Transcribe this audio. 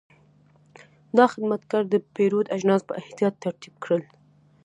دا خدمتګر د پیرود اجناس په احتیاط ترتیب کړل.